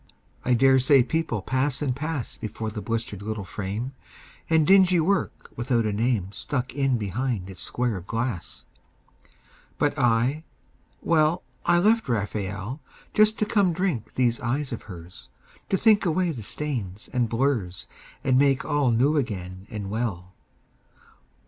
I dare say people pass and pass Before the blistered little frame, And dingy work without a name Stuck in behind its square of glass. But I, well, I left Raphael Just to come drink these eyes of hers, To think away the stains and blurs And make all new again and well.